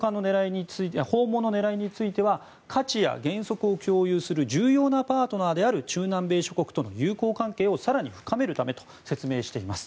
訪問の狙いについては価値や原則を共有する重要なパートナーである中南米諸国との友好関係を更に深めるためと説明しています。